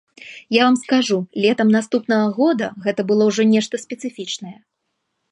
Я вам скажу, летам наступнага года гэта было ўжо нешта спецыфічнае.